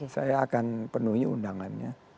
saya akan penuhi undangannya